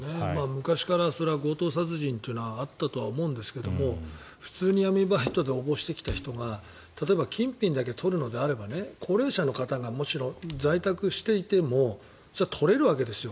昔から強盗殺人というのはあったと思いますが普通に闇バイトで応募してきた人が例えば金品だけ取るのであれば高齢者の方が在宅していてもそれは取れるわけですよ。